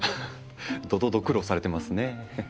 ドドド苦労されてますね。